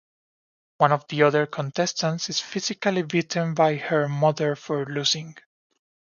One of the other contestants is physically beaten by her mother for losing.